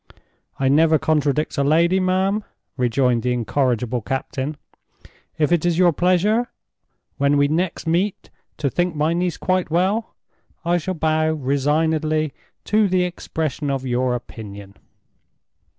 "I never contradict a lady, ma'am," rejoined the incorrigible captain. "If it is your pleasure, when we next meet to think my niece quite well, I shall bow resignedly to the expression of your opinion."